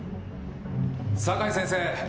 酒井先生！